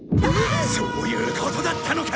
そういうことだったのか！